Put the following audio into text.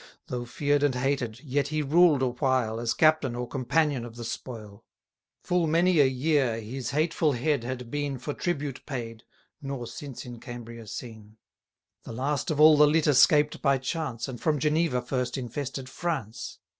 Though fear'd and hated, yet he ruled awhile, As captain or companion of the spoil. Full many a year his hateful head had been 170 For tribute paid, nor since in Cambria seen: The last of all the litter 'scaped by chance, And from Geneva first infested France.